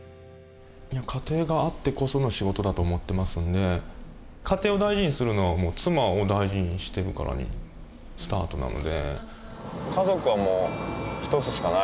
家庭があってこその仕事だと思ってますんで家庭を大事にするのは妻を大事にしてるからスタートなので。